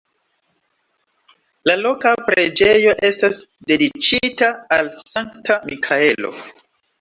La loka preĝejo estas dediĉita al Sankta Mikaelo.